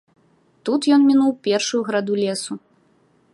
Тут ён мінуў першую граду лесу.